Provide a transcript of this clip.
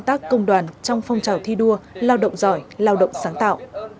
tác công đoàn trong phong trào thi đua lao động giỏi lao động sáng tạo